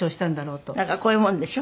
なんかこういうものでしょ？